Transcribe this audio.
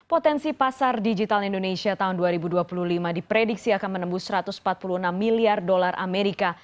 potensi pasar digital indonesia tahun dua ribu dua puluh lima diprediksi akan menembus satu ratus empat puluh enam miliar dolar amerika